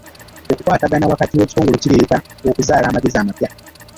Okukwatagana wakati w'ebitongole kireeta okuzaala amagezi amapya.